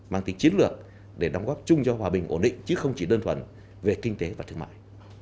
mang tính chiến lược để đóng góp chung cho hòa bình ổn định chứ không chỉ đơn thuần về kinh tế và thương mại